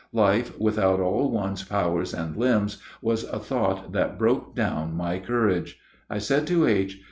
Life, without all one's powers and limbs, was a thought that broke down my courage. I said to H.